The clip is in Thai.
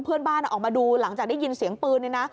พรึ่งบ้านออกมาดูหลังจากได้ยินพาร์มเสียงปืนเนี่ยนะ